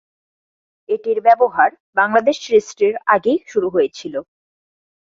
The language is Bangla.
এটির ব্যবহার বাংলাদেশ সৃষ্টির আগেই শুরু হয়েছিল।